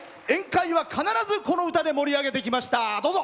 宴会は必ずこの歌で盛り上げてきました。